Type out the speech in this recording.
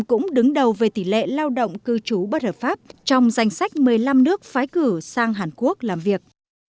cũng đứng đầu về tỷ lệ lao động cư trú bất hợp pháp trong danh sách một mươi năm nước phái cử sang hàn quốc làm việc